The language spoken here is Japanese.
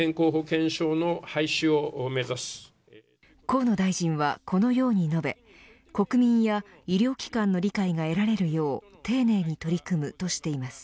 河野大臣はこのように述べ国民や医療機関の理解が得られるよう丁寧に取り組むとしています。